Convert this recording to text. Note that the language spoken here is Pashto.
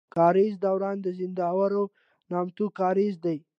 کاريز دوران د زينداور نامتو کاريز دی.